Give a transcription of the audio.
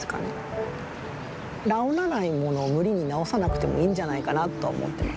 治らないものを無理に治さなくてもいいんじゃないかなとは思ってます。